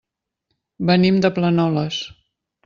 Venim de Planoles.